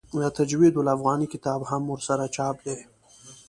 د تجوید الافغاني کتاب هم ورسره چاپ دی.